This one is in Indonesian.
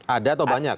ada atau banyak